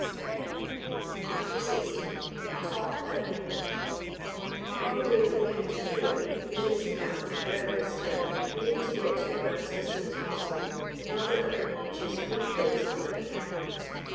186 CHAPTER XVI A TALK AT MIDNIGHT O N tlie day of the County Fair the Gypsy camp was early astir, meaning to get to the grounds as soon as possible, in order that they might choose a good place for their encampment.